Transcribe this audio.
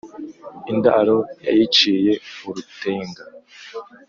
indaro yayiciye urutenga.